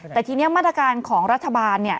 แต่ทีนี้มาตรการของรัฐบาล